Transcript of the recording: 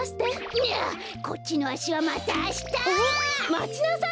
いやこっちのあしはまたあした！まちなさい！